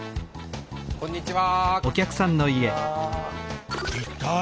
こんにちは。